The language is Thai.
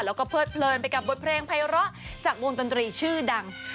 แล้วก็เพิดเพลินไปกับบทเพลงภัยร้อจากวงดนตรีชื่อดัง